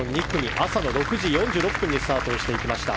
朝の６時４６分にスタートしていきました。